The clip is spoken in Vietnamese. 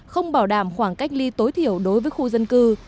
không bảo đảm khoảng cách ly tối thiểu đối với khu dân cư